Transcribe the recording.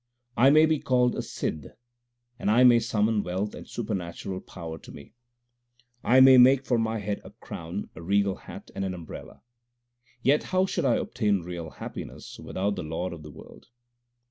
I may be called a Sidh, and I may summon wealth and supernatural power to me ; I may make for my head a crown, a regal hat, and an umbrella, Yet how should I obtain real happiness without the Lord of the world